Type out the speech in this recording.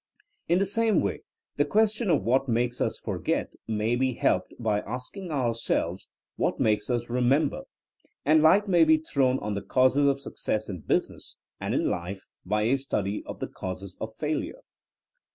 In the same way the question of what makes us forget may be helped by asking ourselves what makes us re member, and light may be thrown on the causes of success in business and in life by a study of the causes of failure.